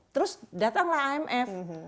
terus datanglah amf